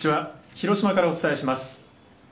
広島からお伝えします。